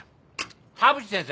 田淵先生？